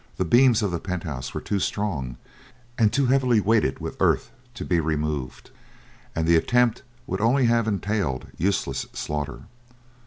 The beams of the penthouse were too strong and too heavily weighted with earth to be removed, and the attempt would only have entailed useless slaughter.